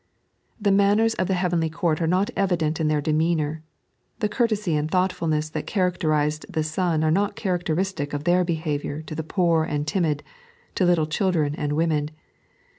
The manners of the Heavenly Court are not evident in their demeanour ; the coorteey and tfaoughtf ulness that characterised the Son are not charac teristic of their behaviour to the poor and timid, to little children and women.